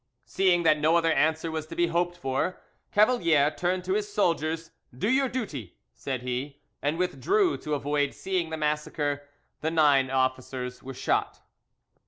Seeing that no other answer was to be hoped for, Cavalier turned to his soldiers. "Do your duty," said he, and withdrew, to avoid seeing the massacre. The nine officers were shot.